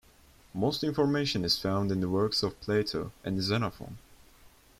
Most information is found in the works of Plato and Xenophon.